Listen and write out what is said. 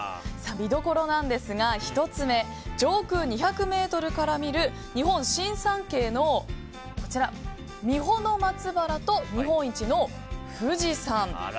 見どころなんですが１つ目、上空２００ｍから見る日本新三景の三保松原と日本一の富士山。